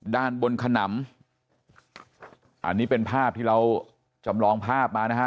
ด้านบนขนำอันนี้เป็นภาพที่เราจำลองภาพมานะฮะ